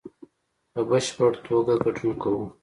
په بشپړ توګه ګډون کوو